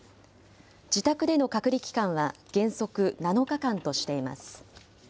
自宅での隔離期間は原則７日間としています。